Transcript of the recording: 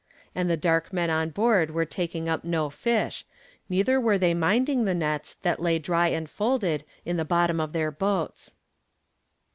And the dark men on board were taking up no fish, neither were they minding the nets that lay dry and folded in the bottom of their boats.